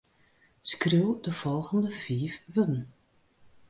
Skriuw de folgjende fiif wurden.